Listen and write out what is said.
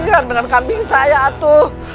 aduh kesian benar kambing saya itu